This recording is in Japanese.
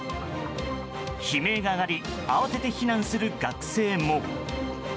悲鳴が上がり慌てて避難する学生も。